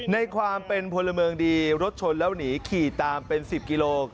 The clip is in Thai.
ในความเป็นพลเมืองดีรถชนแล้วหนีขี่ตามเป็น๑๐กิโล